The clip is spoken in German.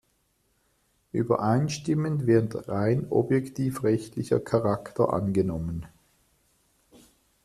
Übereinstimmend wird rein objektiv-rechtlicher Charakter angenommen.